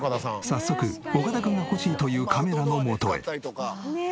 早速岡田君が欲しいというカメラの元へ。